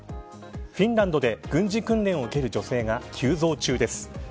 フィンランドで軍事訓練を受ける女性が急増中です。